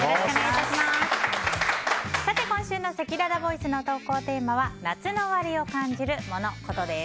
今週のせきららボイスの投稿テーマは夏の終わりを感じるモノ・コトです。